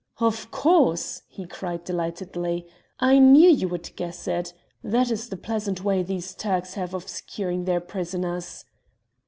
"Of course," he cried delightedly, "I knew you would guess it. That is the pleasant way these Turks have of securing their prisoners."